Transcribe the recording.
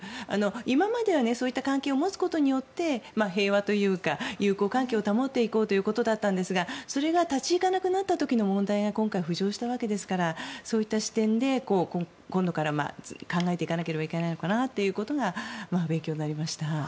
今までは、そういった関係を持つことによって平和というか友好関係を保っていこうということだったんですがそれが立ちいかなくなった時の問題が今回、浮上したわけですからそういった視点で今度から考えていかなければいけないのかなということが勉強になりました。